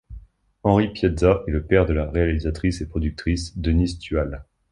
Henri Piazza est le père de la réalisatrice et productrice Denise Tual.